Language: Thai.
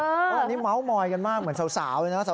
อันนี้เม้ามอยกันมากเหมือนสาวนะ